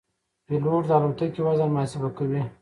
پیلوټ د الوتکې وزن محاسبه کوي.